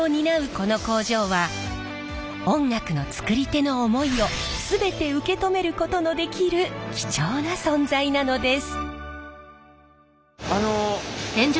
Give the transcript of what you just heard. この工場は音楽のつくり手の思いを全て受け止めることのできる貴重な存在なのです。